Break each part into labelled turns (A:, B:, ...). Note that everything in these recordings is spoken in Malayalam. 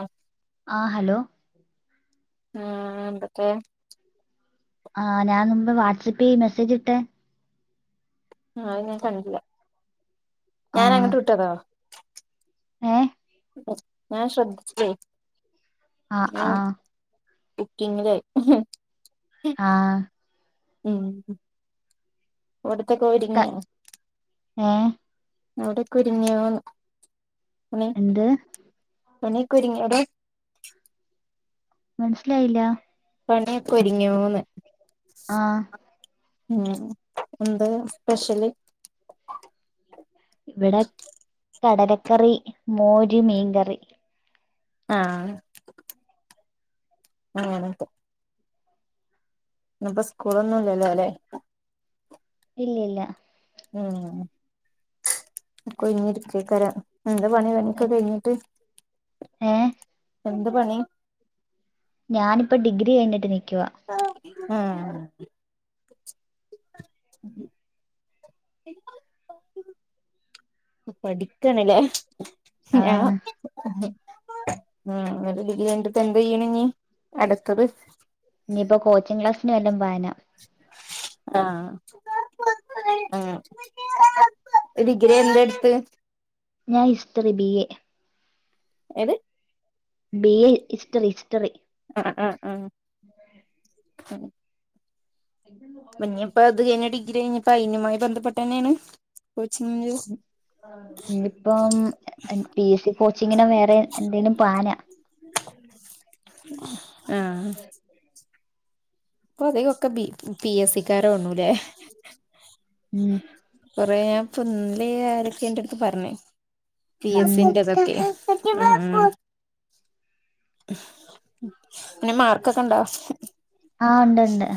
A: ആഹ
B: ആഹ് ഹലോ
A: ആഹ് എന്തക്കേ
B: ആഹ് ഞാൻ മുമ്പെ വാട്സപ്പി മെസ്സേജിട്ടേ
A: ആഹ് അത് ഞാൻ കണ്ടില്ല ഞാൻ അങ്ങട്ട് വിട്ടതോ
B: ഏഹ്
A: ഞാൻ ശ്രദ്ധിച്ചില്ലേ
B: ആ
A: ഞാൻ
B: ആ
A: കുക്കിങ്ങിലായി
B: ആഹ്
A: ഉം ഒടിത്തൊക്കെ ഒരിങ്ങിയോ.
B: ഏഹ്
A: അവിടെക്കൊരുങ്ങിയോന്ന്
B: എന്ത്.
A: പണിയൊക്കെ ഒരുങ്ങിയോ അവിടെ
B: മനസ്സിലായില്ല
A: പണിയൊക്കെ ഒരുങ്ങിയോന്ന്.
B: ആഹ്
A: ഉം എന്ത സ്പെഷ്യല്.
B: ഇവിടെ കടലക്കറി മോര് മീൻകറി
A: ആഹ്. അങ്ങനൊക്കെ ഇന്നിപ്പൊ സ്കൂളൊന്നുംല്ലല്ലേ
B: ഇല്ലില്ല
A: ഉം ഒക്കെ ഒയ്ഞ്ഞിരിക്കെക്കാരം. എന്ത് പണി പണിയൊക്കെ കഴിഞ്ഞിട്ട്
B: ഏ
A: എന്ത് പണി
B: ഞാനിപ്പ ഡിഗ്രി കഴിഞ്ഞിട്ട് നിക്കുവാ.
A: ഉം പഠിക്കാണ്ലേ
B: ആ
A: ഞാ ഉം അന്നട്ട് ഡിഗ്രി കഴിഞ്ഞട്ട് ഇപ്പ എന്ത് ചെയ്യണ്‌ ഇഞ്ഞി അടുത്തത്.
B: ഇനിയിപ്പോ കോച്ചിങ് ക്ലാസിന് വല്ലം പാനാ
A: ആഹ് ഉം ഡിഗ്രി എന്ത എടുത്ത്.
B: ഞാൻ ഹിസ്റ്ററി ബി എ
A: ഏത്
B: ബി എ ഹിസ്റ്ററി ഹിസ്റ്ററി
A: അഹ് അഹ് ആഹ് പിന്നെയിപ്പ അത് കഴിഞ്ഞ ഡിഗ്രി കഴിഞ്ഞപ്പോ അതിനുമായി ബന്ധപ്പെട്ട് തന്നേണ് കോച്ചിങ്ങിന്
B: ഇഞ്ഞിപ്പം പി എസ് സി കോച്ചിങ്ങിനോ വേറെ എന്തേലും പാനാ
A: ആഹ് ഇപ്പൊ അതികൊക്കെ ബി പി എസ് സി ക്കാരൊണൂല്ലേ.
B: ഉം
A: കൊറേ ഞാൻ [unintelligible] ആരൊക്കെ എന്റെടുത്ത് പറഞ്ഞെ പി
B: ഉം
A: എസിന്റെതൊക്കെ. ഉം പിന്നെ മാർക്കൊക്കെ ഇണ്ടാ?
B: ആഹ് ഇണ്ട് ഇണ്ട്.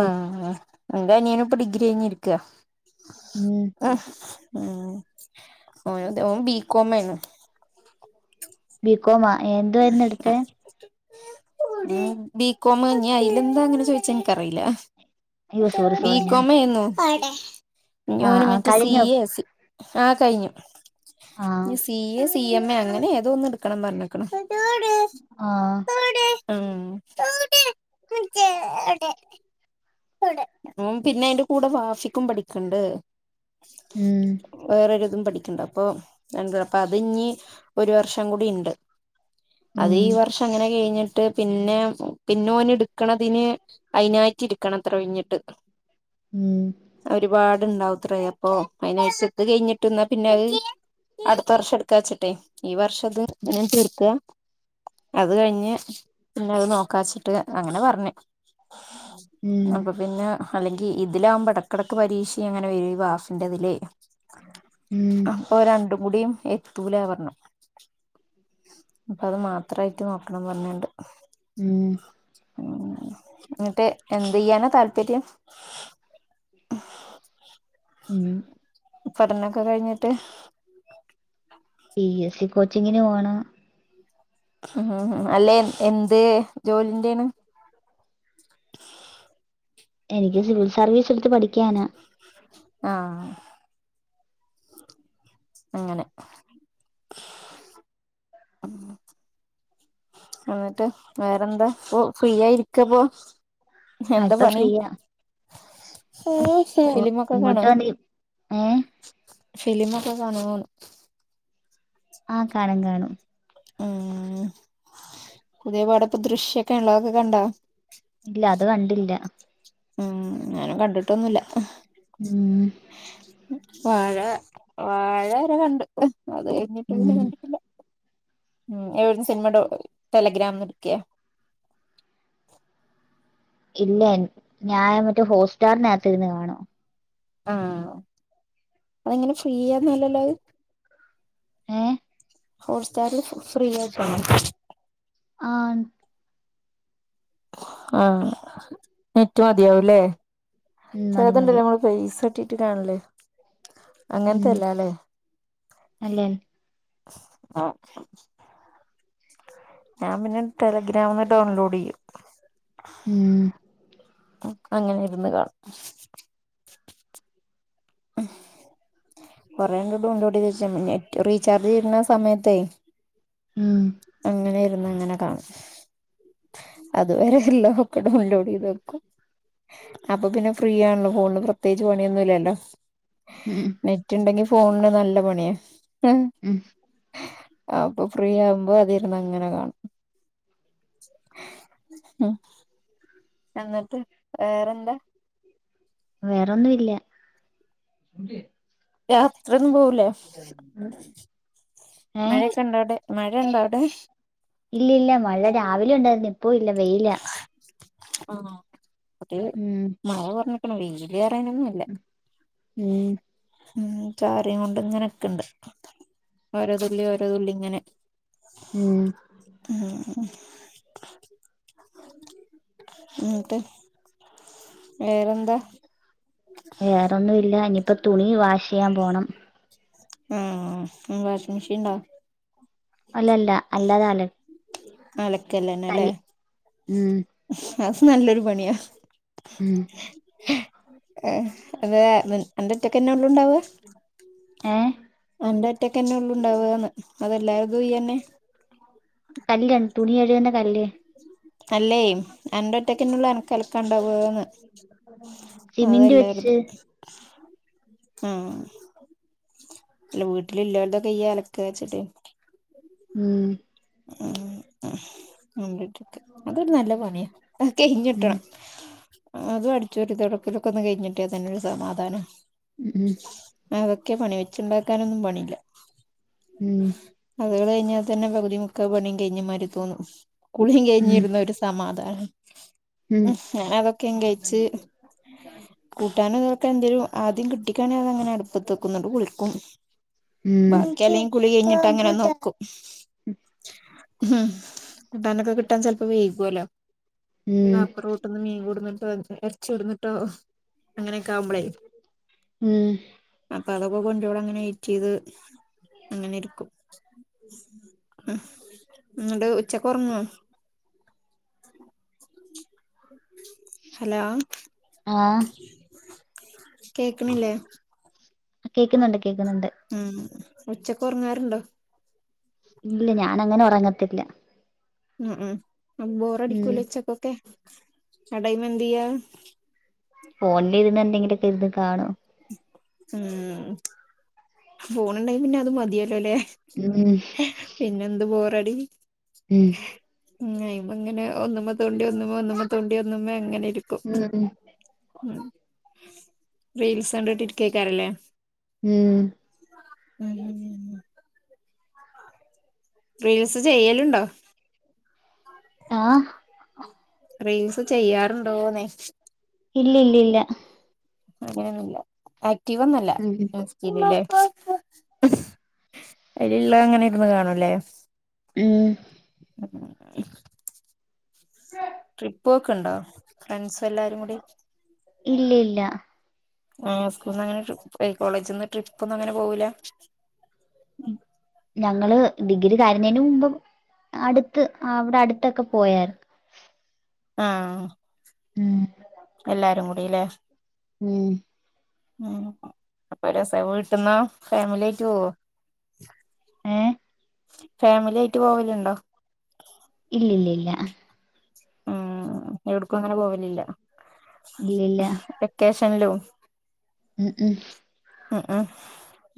A: ആഹ് ആഹ് ഇന്റനിയനും ഇപ്പ ഡിഗ്രി കഴിഞ്ഞിരിക്കാ
B: ഉം
A: ആഹ് ഉം ഓനു ഇതേ ഓൻ ബിക്കോമേരുന്നു.
B: ബിക്കോമാ എന്തുവായിരുന്നു എടുത്തെ?
A: ബിക്കോമ് ഇഞ്ഞി അയില് എന്താ അങ്ങനെ ചോയിച്ചാ എനിക്കറിയില്ലാ.
B: അയ്യോ സോറി
A: ബി
B: സോറി ഞാൻ
A: കോം ആയിരുന്നു ഇഞ്ഞി
B: ആഹ്
A: ഓന്
B: ആഹ്
A: മറ്റേ സി
B: കഴിഞ്ഞോ
A: എ സി ആഹ് കയ്ഞ്ഞു.
B: ആഹ്
A: C A C M A അങ്ങനെ ഏതോ ഒന്ന് എടുക്കണം പറഞ്ഞക്ക്ണ്.
B: ആഹ്.
A: ഉം ഓൻ പിന്നെ അയിന്റെ കൂടെ വാഫിക്കും പഠിക്ക്‌ണ്ട്‌
B: ഉം
A: വേറൊരിതും പഠിക്ക്ണ്ട്‌ അപ്പൊ എന്താ അപ്പൊ അതിഞ്ഞി ഒരു വർഷം കൂടി ഇണ്ട്
B: ഉം
A: അതീവർഷം ഇങ്ങനെ കഴിഞ്ഞി ട്ട് പിന്നെ പിന്നോന് ഇട്ക്കണതിന് അയിനായ്റ്റിരി ക്കണത്രേ ഒഴിഞ്ഞിട്ട്
B: ഉം
A: ഒരുപാട്ണ്ടാവു‌ത്രേ അപ്പൊ അയിനേഷം ഇത് കഴിഞ്ഞിട്ട്ന്നാ പിന്നെ അത് അടുത്ത വർഷം എടുക്കാച്ചിട്ടെ ഈ വർഷം ഇത് ഇങ്ങനെ തീർക്കാ അത് കഴിഞ്ഞ് പിന്നെ അത് നോക്കാച്ചിട്ട് അങ്ങനെ പർഞ്ഞ്
B: ഉം
A: അപ്പ പിന്നെ അല്ലെങ്കി ഇതിലാവുമ്പെട ക്കെടക്ക് പരീക്ഷേം അങ്ങനെ വെരും ഈ വാഫിന്റെ ഇതില്
B: ഉം
A: അപ്പ രണ്ടും കൂടിയും എത്തൂലാ പറഞ്ഞ് അപ്പ അത് മാത്രായിറ്റ് നോക്കണം പറഞ്ഞ്ണ്ട്
B: ഉം
A: ഇന്നിട്ട് എന്ത് ചെയ്യാനാ താല്പര്യം
B: ഉം
A: പഠനൊക്കെ കഴിഞ്ഞിട്ട്
B: പി എസ് സി കോച്ചിങ്ങിന് പോണം
A: ഉം ഉം ഉം അല്ലെ എന്ത് ജോലിന്റെയാണ്
B: എനിക്ക് സിവിൽ സർവീസ് എടുത്ത് പഠിക്കാനാ
A: ആഹ് അങ്ങനെ ഇന്നിട്ട് വേറെന്താ ഇപ്പൊ ഫ്രീ ആയി ഇരിക്കാപ്പോ
B: ആഹ്
A: എന്താ
B: ഇപ്പൊ
A: പണി?
B: ഫ്രീയാ ഓ
A: ഫിലിമൊക്കെ
B: ഇങ്ങോട്ട്
A: കാണോ?
B: വന്നി ഏഹ്
A: ഫിലിമൊക്കെ കാണോന്ന്
B: ആഹ് കാണും കാണും
A: ഉം പുതിയ പടം ഇപ്പ ദൃശ്യൊക്കെ ഇണ്ട് അതൊക്കെ കണ്ടാ
B: ഇല്ല അത് കണ്ടില്ലാ
A: ഉം ഞാനും കണ്ടിട്ടൊന്നുല്ലാ
B: ഉം
A: വാഴ വാഴ വരെ കണ്ട് അത് കഴിഞ്ഞിട്ട് പിന്നെ
B: ഉം
A: കണ്ടിട്ടില്ല. ഉം, എവട്ന്ന് സിനിമ ഡൌ ടെലഗ്രാംന്ന് ഇട്ക്കേ?
B: ഇല്ല ഞാൻ മറ്റേ ഹോട്ട്സ്റ്റാറിനകത്തിരുന്ന് കാണും.
A: ആഹ്, അതെങ്ങനെ ഫ്രീയൊന്നല്ലല്ലോ അത്?
B: ഏഹ്‌?
A: ഹോട്ട്സ്റ്റാർ ഫ്രീയായിട്ടാണോ?
B: ആൺ
A: ആഹ്, നെറ്റ് മതിയാവുലേ.
B: ഉം മതി
A: ചെലത്ണ്ടല്ലേ
B: മതി
A: നമ്മൾ പൈസ ഇട്ടിട്ട് കാൻല് അങ്ങൻത്തെ അല്ലാലേ.
B: അല്ലേൻ
A: ആ ഞാൻ പിന്നെ ടെലഗ്രാംന്ന് ഡൗൺലോഡ്യ്യും.
B: ഉം
A: അങ്ങനെ ഇരുന്ന് കാണും. കൊറേണ്ട് ഡൗൺലോഡീതചേ നെറ്റ് റീചാർജ്യ്യ്ണ സമയത്തേയ്
B: ഉം.
A: അങ്ങനെ ഇര്ന്ന് അങ്ങനെ കാണും. അത് വരെ ള്ളതൊക്കേ ഡൗൺലോഡീതക്കും. അപ്പൊ പിന്നെ ഫ്രീ ആൻല്ലോ ഫോൺള് പ്രത്യേകിച്ച് പണിയൊന്നും ഇല്ലല്ലോ.
B: ഉം.
A: നെറ്റ് ണ്ടെങ്കി ഫോൺള് നല്ല പണിയാ.
B: ഉം
A: അപ്പൊ ഫ്രീ ആവുംമ്പോ തിര്ന്ന അങ്ങനെ കാണും ഉ എന്നിട്ട് വേറെന്താ?
B: വേറെന്നും ഇല്ലാ.
A: [unintelligible] സെറും ബോൽ
B: അ
A: മഴയൊക്കെണ്ടാ അവടെ മഴണ്ടോ അവടെ?
B: ഇല്ലില്ലാ മഴ രാവിലെ ഉണ്ടായിരുന്നു ഇപ്പൊ ഇല്ല വെയിലാ.
A: ഉം അത്
B: ഉം
A: മഴ കൊറഞ്ക്ക്‌ണ് വെല്റേനൊന്നു
B: ഉം.
A: ഉം ചാറിം കൊണ്ട് ഇങ്ങനക്ക്‌ണ്ട് ഓരോ തുള്ളി ഓരോ തുള്ളി ഇങ്ങനെ.
B: ഉം
A: ഉം ഉം ട്ട് വേറെന്താ?
B: വേറേന്നും ഇല്ലാ ഇനിയിപ്പ തുണി വാഷിയ്യാം പോണം.
A: ഉം, വാഷ് മെഷീൻണ്ടോ?
B: അല്ലല്ല അല്ലാതാൻല്
A: അലക്കല്ലന്നെല്ലേ
B: ഉം
A: ആ സ് നല്ലൊരു പണിയാ.
B: ഉം
A: ഏ അത് നിൻ അന്റെ ഒറ്റക്കെന്നെ ഉള്ളൂ ഉണ്ടാവാ?
B: ഏഹ്‌?
A: അന്റെ ഒറ്റക്കെന്നെ ഒള്ളൂ ണ്ടാവാന്ന് അതെല്ലാര്തും ഇയ്ന്നെ?
B: കല്ലാണ് തുണി കഴുക്കുന്ന കല്ല്
A: അല്ലേ അൻറ്റെ ഒറ്റെക്കെന്നെ ഒള്ളെ കൽക്കണ്ടത്ന്ന്
B: സിമെന്റ്
A: അതല്ലരുത്
B: വെച്ച്
A: ആഹ് അല്ല വീട്ടില് ഇല്ലോൽതൊക്കെ ഇയ്യ് അലക്കാച്ചിട്ട്
B: ഉം
A: [unintelligible] അതൊരു നല്ല പണിയാ അത്
B: ഉം
A: കഴിഞ്ഞിട്ടണം അതും അടിച്ചെരി തോടക്കലും ഒക്കെ ഒന്ന് കഴിഞ്ഞിട്ട്യാ തന്നെരു സമാധാന
B: ഉം ഉം
A: അതൊക്കെ പണി വെച്ച്ണ്ടാക്കാനൊന്നും പണില്ല
B: ഉം ഉം
A: അത്കള് കഴിഞ്ഞാ തന്നെ പകുതി മുക്കാ പണിയും കഴിഞ മാതിരി തോന്നും കുളിയും കഴിഞ്ഞിരുന്നിട്ട് സമാധാനം ഉം ഞാന് അതൊക്കെ കഴിച്ച് കൂട്ടാനും ന്തിനോക്കെ എന്തെലും ആദ്യം കിട്ടിക്കാണെ അത് അങ്ങനെ പ്പത്തെക്കും ഇന്നട്ട് കുളിക്കും
B: ഉം
A: ബാക്കി അല്ലെ കുളി കഴിഞ്ഞിട്ട് അങ്ങനെ നോക്കും
B: ഉം
A: ഉം കൂട്ടാനൊക്കെ കിട്ടാൻ ചെൽപ്പം വൈകുല്ലോ
B: ഉം
A: ആഹ് [unintelligible] പെട്ടന്ന് മീൻ കോട്ന്ന്ട്ടോ എർച്ചിട്ന്ന്ട്ടോ അങ്ങനെക്കെ ആവുമ്പളേ
B: ഉം
A: അപ്പ അതൊക്കെ കൊണ്ടോരോളം അങ്ങനെ വെറ്റ് ചെയ്ത് അങ്ങനെ ഇരിക്കും ഉം ഇന്നട്ട് ഉച്ചക്ക് ഒർങ്ങോ?
B: [inaudible]
A: ഹലോ
B: ആ
A: കേക്ക്ണില്ലേ?
B: കേക്ക്ന്നുണ്ട് കേക്ക്ന്നുണ്ട്
A: ഉം ഉച്ചക്ക് ഒർങ്ങാറ്ണ്ടോ?
B: ഇല്ല ഞാനങ്ങനെ ഒറങ്ങത്തില്ല
A: ഉം ഉം
B: ഉം
A: ബോറടിക്കൂലേ ഉച്ചക്കൊക്കെ ആഹ് ടൈമെന്തെയ്യാ?
B: ഫോണിലിര്ന്ന് എന്തെങ്കിലൊക്കെ ഇര്ന്ന് കാണും
A: ഉം ഫോണ് ഇണ്ടെങ്കി പിന്നത് മതിയല്ലോല്ലേ
B: ഉം
A: പിന്നെന്ത് ബോറടി
B: ഉം
A: ഉം അയിമ്മിങ്ങനെ ഒന്നുമ്മ തോണ്ടി ഒന്നുമ്മ ഒന്നുമ്മ തോണ്ടി ഒന്നുമ്മെ അങ്ങനെ ഇരിക്കും ഉം റീൽസ് കണ്ടിട്ടിരിക്കേക്കാരല്ലേ? ഉം റീൽസ് ചെയ്യല്ണ്ടോ?
B: ആഹ്
A: റീൽസ് ചെയ്യാറ്ണ്ടോ ന്നെ?
B: ഇല്ല ഇല്ല ഇല്ല
A: അങ്ങനെന്നുല്ല ആക്റ്റീ വൊന്നുല്ല ഇല്ലേ അയില്ള്ളതങ്ങനേ ഇര്ന്ന് കാണൂല്ലേ?
B: ഉം
A: ഉം ട്രിപ്പ് പോക്ക്ണ്ടോ ഫ്രൺസ് എല്ലാരും കൂടി?
B: ഇല്ല്യാ ഇല്ല
A: ആഹ് സ്കൂള്ന്നങ്ങനെ ട്രിപ്പ കോളേജ്ന്ന് ട്രിപ്പൊന്നങ്ങനെ പോവൂല?
B: ഞങ്ങള് ഡിഗ്രി കാരുന്നേന് മുമ്പ് അടുത്ത് ആഹ് അവിടടുത്തൊക്ക പോയാര്
A: ആഹ്
B: ഉം
A: എല്ലാരും കൂടീല്ലേ
B: ഉം
A: ഉം അപ്പൊ രസ വീട്ട്ന്നോ ഫാമിലിയായിട്ട് പോവോ
B: ഏഹ്
A: ഫാമിലിയായിട്ട് പോവല്ണ്ടോ
B: ഇല്ലില്ല ഇല്ല
A: ഉം എവിടക്കും അങ്ങനെ പോവലില്ല
B: ഇല്ലില്ല
A: ക്കേഷൻലും
B: ഉം ഉം
A: ഉം ഉം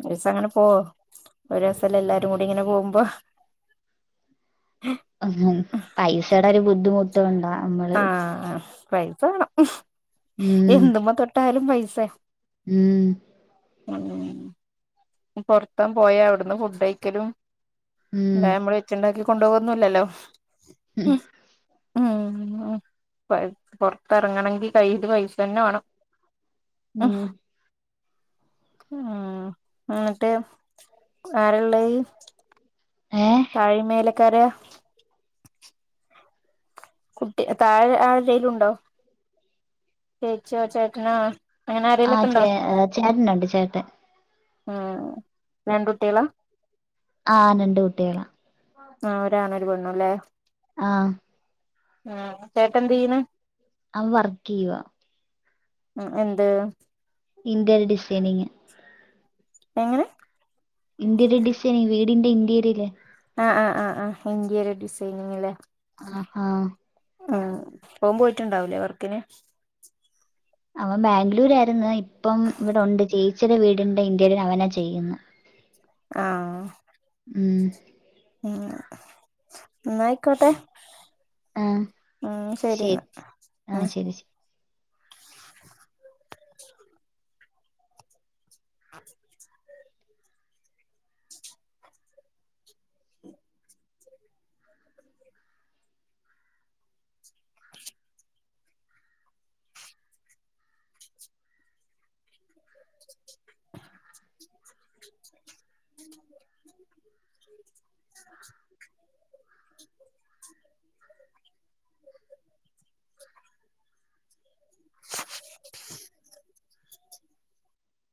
A: ഒരൂസങ്ങനെ പോ ഒരു രസല്ലേ എല്ലാരും കൂടി ഇങ്ങനെ പോവുമ്പോ
B: ആഹ് പൈസേട ഒരു ബുദ്ധിമു ട്ടു കൊണ്ടാ അമ്മട്ട്
A: ആഹ് പൈസ വേണം
B: ഉം
A: എന്തുമ്മ തൊട്ടാലും പൈസ
B: ഉം
A: [inaudible] പൊറത്തം പോയാ അവിടന്ന് ഫുഡൈക്കലും
B: ഉം
A: അല്ലേ നമ്മള് ഇണ്ടാക്കി കൊണ്ടോവൊന്നുല്ലല്ലോ ഉം ഉം ഉം പൈ പൊറത്തെറങ്ങണെങ്കി കയ്യിത് പൈസന്നെ വേണം അഹ്
B: ഉം
A: ആഹ് എന്നിട്ട് ആരിള്ളയ്
B: ഏഹ്
A: താഴിയും മേലേക്കാരേ കുട്ടി താഴെ ആരേലുണ്ടോ ചേച്ചിയോ ചേട്ടനോ അങ്ങനെ
B: ആഹ്
A: ആരേലൊക്കെ ഉണ്ടോ
B: ചേ അഹ് ചേട്ടനുണ്ട് ചേട്ടൻ
A: ആഹ് രണ്ടുട്ടികളാ
B: ആ രണ്ട് കുട്ടികളാണ്
A: ആഓരാണ് ഒരു പെണ്ണ് അല്ലേ
B: ആഹ്
A: ഉം ചേട്ടെന്തീയ് ണ്
B: അവൻ വർക്ക് ചെയ്യുവ
A: ഉം എന്ത്
B: ഇന്റീരിയർ ഡിസൈനിങ്
A: എങ്ങനെ
B: ഇന്റീരിയർ ഡിസൈനി വീടിന്റെ ഇന്റീരിയല്ലേ
A: ആഹ് ആഹ് ആഹ് ഇന്റി രിയർ ഡിസൈനിങ്ല്ലേ
B: ആഹ് ആഹ്
A: ഉം ഓൻ പോയിട്ടുണ്ടാവൂലേ വർക്കിന്
B: അവൻ ബാംഗ്ലൂരാ രുന്നു ഇപ്പം ഇവിടെ ഉണ്ട് ചേയിച്ചിടെ വീടുണ്ട് ഇന്റിറിയല് അവനാ ചെയ്യുന്നു
A: ആഹ്
B: ഉം
A: ഉം ന്നായിക്കോട്ടെ
B: ആ
A: ഉം ശരി എന്നാ
B: ആ
A: ഉം
B: ശരി ശരി
A: അ